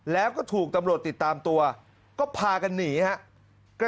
แล้วก็ถูกตำรวจติดตามตัวก็พากันหนีครับ